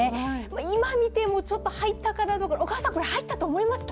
今見てもちょっと入ったかな小川さん、入ったと思いました？